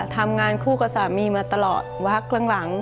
ทำงานคู่กับสามีมาตลอดวักหลัง